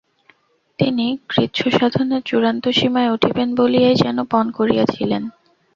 তিনি কৃচ্ছ্রসাধনের চূড়ান্ত সীমায় উঠিবেন বলিয়াই যেন পণ করিয়াছিলেন।